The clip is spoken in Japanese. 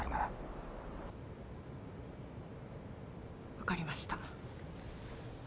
分かりました。